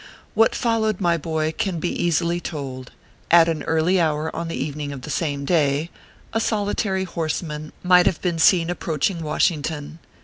What followed, my boy, can be easily told. At an early hour on the evening of the same day, a solitary horseman might have been seen approaching "Wash ington.